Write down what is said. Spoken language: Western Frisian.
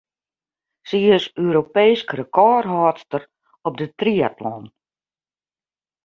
Sy is Europeesk rekôrhâldster op de triatlon.